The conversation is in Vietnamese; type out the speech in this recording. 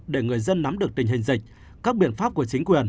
để người dân nắm được tình hình dịch các biện pháp của chính quyền